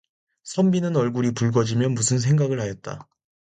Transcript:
선비는 얼굴이 붉어지며 무슨 생각을 하였다.